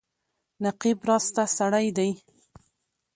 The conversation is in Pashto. نقيب راسته سړی دی.